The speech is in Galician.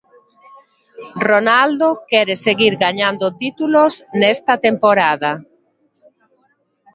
Ronaldo quere seguir gañando títulos nesta temporada.